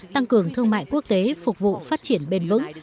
tăng cường thương mại quốc tế phục vụ phát triển bền vững